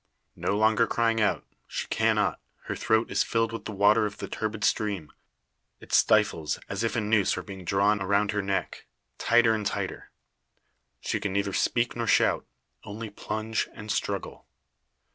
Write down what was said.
No longer crying out; she cannot; her throat is filled with the water of the turbid stream. It stifles, as if a noose were being drawn around her neck, tighter and tighter. She can neither speak nor shout, only plunge and struggle.